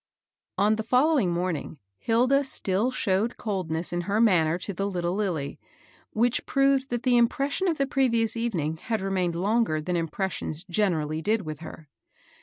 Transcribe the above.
N the following morning Hilda still showed coldness in her manner to the little Lilly ; which proved that the impression of the previous evening had remained longer than impressions generally did with her.